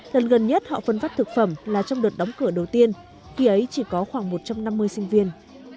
lần gần nhất họ phân phát thực phẩm là trong đợt đóng cửa đầu tiên khi ấy chỉ có khoảng một trăm năm mươi sinh viên